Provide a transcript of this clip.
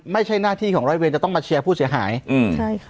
ไม่ใช่หน้าที่ของร้อยเวรจะต้องมาเชียร์ผู้เสียหายอืมใช่ค่ะ